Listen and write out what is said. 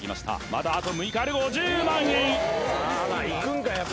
まだあと６日ある５０万